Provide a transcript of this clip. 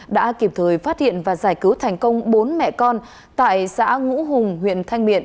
đã kịp thời phát hiện và giải cứu thành công bốn mẹ con tại xã ngũ hùng huyện thanh miện